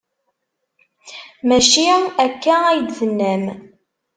Maci akka ay d-tennam.